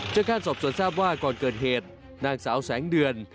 จากการสอบสวนทราบว่าก่อนเกิดเหตุนางสาวแสงเดือน